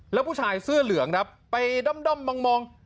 แล้วผู้ชายเสื้อเหลืองครับไปด้อมมอง